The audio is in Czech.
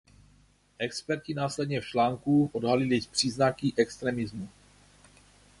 Experti následně v článku odhalily příznaky extremismu.